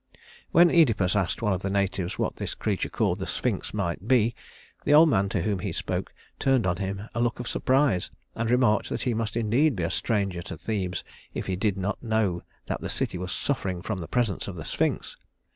When Œdipus asked one of the natives what this creature called the Sphinx might be, the old man to whom he spoke turned on him a look of surprise, and remarked that he must indeed be a stranger to Thebes if he did not know that the city was suffering from the presence of the Sphinx.